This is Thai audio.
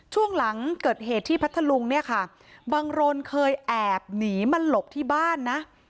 ช่วงหลังเกิดเหตุที่พัทธลุงเนี่ยค่ะบังรนเคยแอบหนีมาหลบที่บ้านนะ